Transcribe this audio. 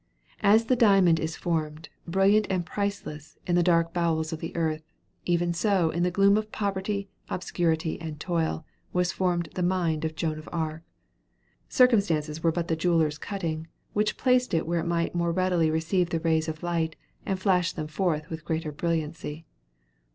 As the diamond is formed, brilliant and priceless, in the dark bowels of the earth, even so, in the gloom of poverty, obscurity, and toil, was formed the mind of Joan of Arc. Circumstances were but the jeweller's cutting, which placed it where it might more readily receive the rays of light, and flash them forth with greater brilliancy.